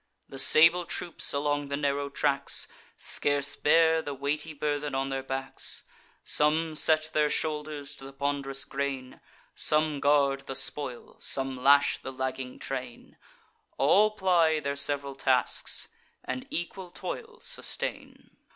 The sable troops, along the narrow tracks, Scarce bear the weighty burthen on their backs: Some set their shoulders to the pond'rous grain; Some guard the spoil; some lash the lagging train; All ply their sev'ral tasks, and equal toil sustain.